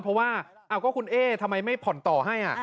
เพราะว่าก็คุณเอ๊ทำไมไม่ผ่อนต่อให้